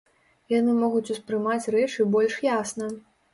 Яны могуць успрымаць рэчы больш ясна.